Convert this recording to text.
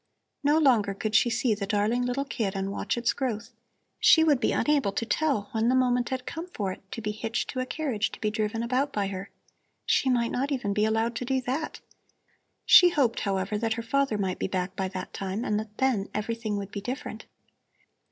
No longer could she see the darling little kid and watch its growth. She would be unable to tell when the moment had come for it to be hitched to a carriage to be driven about by her. She might not be allowed even to do that! She hoped, however, that her father might be back by that time and that then everything would be different.